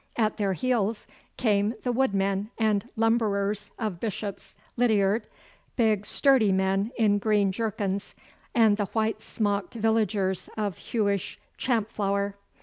At their heels came the woodmen and lumberers of Bishop's Lidiard, big, sturdy men in green jerkins, and the white smocked villagers of Huish Champflower.